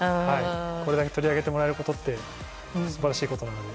これだけ取り上げてもらえるって素晴らしいことなので。